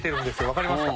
わかりますか？